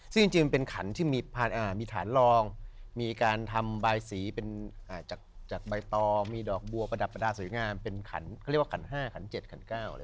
ซึ่งจริงมันเป็นขันที่มีฐานรองมีการทำบายสีเป็นจากใบตอมีดอกบัวประดับประดาษสวยงามเป็นขันเขาเรียกว่าขัน๕ขัน๗ขัน๙เลย